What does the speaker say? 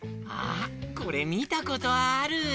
あっこれみたことある。